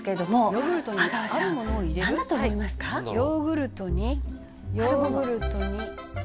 「ヨーグルトにヨーグルトになんだろう？」